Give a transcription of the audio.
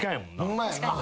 ホンマやな。